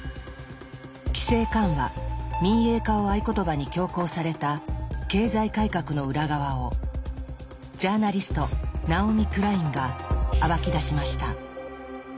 規制緩和民営化を合言葉に強行された経済改革の裏側をジャーナリストナオミ・クラインが暴き出しました。